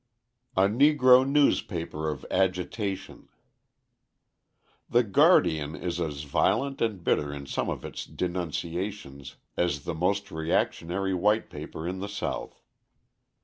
A Negro Newspaper of Agitation The Guardian is as violent and bitter in some of its denunciations as the most reactionary white paper in the South.